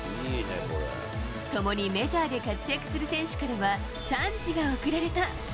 共にメジャーで活躍する選手からは、賛辞が送られた。